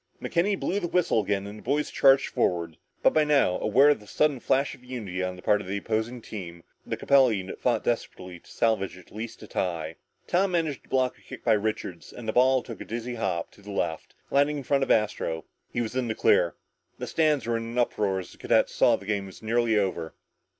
McKenny blew the whistle again and the boys charged forward, but by now, aware of the sudden flash of unity on the part of the opposing team, the Capella unit fought desperately to salvage at least a tie. Tom managed to block a kick by Richards, and the ball took a dizzy hop to the left, landing in front of Astro. He was in the clear. The stands were in an uproar as the cadets saw that the game was nearly over.